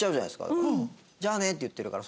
「じゃあね」って言ってるから。